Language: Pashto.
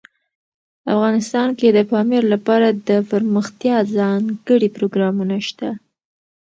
افغانستان کې د پامیر لپاره دپرمختیا ځانګړي پروګرامونه شته.